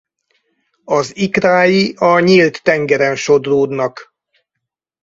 Az ikrái a nyílt tengeren sodródnak.